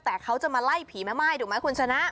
แต่เขาจะมาไล่ผีแม่ม่ายถูกไหมคุณชนะ